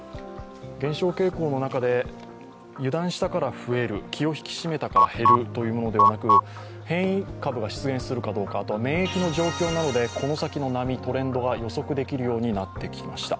減少傾向の中で、油断したから増える、気を引き締めたから減るというものではなく変異株が出現するかどうか免疫の状況などでこの先の波、トレンドが予測できるようになってきました。